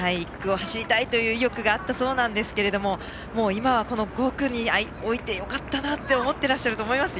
走りたいという話があったそうですが今は５区に置いてよかったなと思っていらっしゃると思いますよ。